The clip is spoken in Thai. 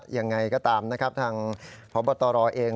อย่างไรก็ตามนะครับทางพระบัตรรอเอง